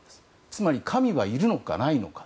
つまり、神はいるのかいないのか。